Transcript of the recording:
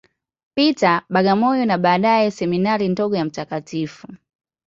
Peter, Bagamoyo, na baadaye Seminari ndogo ya Mt.